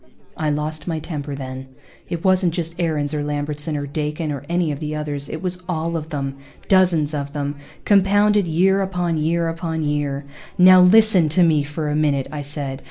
I lost my temper then. It wasn't just Aarons, or Lambertson, or Dakin, or any of the others. It was all of them, dozens of them, compounded year upon year upon year. "Now listen to me for a minute," I said.